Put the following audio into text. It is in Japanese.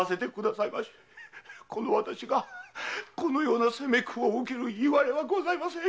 この私がこのような責め苦を受ける謂はございません。